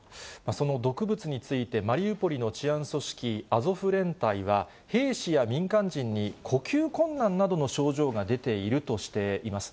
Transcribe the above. その毒物について、マリウポリの治安組織、アゾフ連隊は、兵士や民間人に呼吸困難などの症状が出ているとしています。